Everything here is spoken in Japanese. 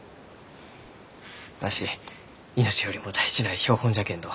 わし命よりも大事な標本じゃけんど。